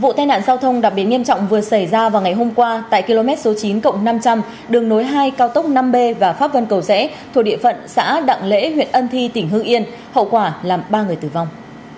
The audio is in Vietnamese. vụ tai nạn giao thông đặc biệt nghiêm trọng vừa xảy ra vào ngày hôm qua tại km số chín cộng năm trăm linh đường nối hai cao tốc năm b và pháp vân cầu rẽ thuộc địa phận xã đặng lễ huyện ân thi tỉnh hương yên hậu quả làm ba người tử vong